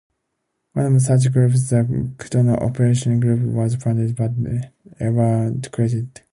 One of such groups, the Kutno Operational Group, was planned but never created.